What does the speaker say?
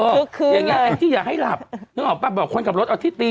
คือคือเลยอย่างเงี้ยที่อยากให้หลับนึกออกปะบอกคนขับรถเอาที่ตี